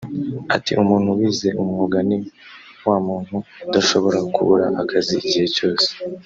Ati “umuntu wize umwuga ni wamuntu udashobora kubura akazi igihe cyose